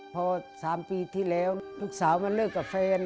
พอ๓ปีที่แล้วลูกสาวมาเลิกกับแฟน